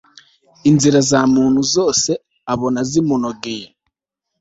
inzira za muntu zose abona zimunogeye